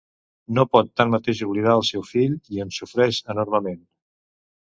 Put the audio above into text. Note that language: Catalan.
No pot tanmateix oblidar el seu fill i en sofreix enormement.